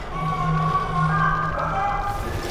کله چي ښکاره سو را ته مخ دي په جامونو کي-